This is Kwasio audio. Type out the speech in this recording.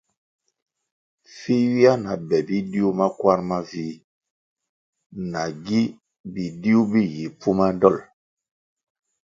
Vi ywia na be bidiu makwarʼ mavih nagi bidiu bi yi pfuma dolʼ.